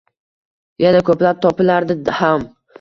Yana ko'plab topilardi ham.